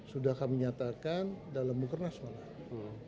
sudah kami nyatakan dalam buku kernas malam